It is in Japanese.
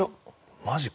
マジか。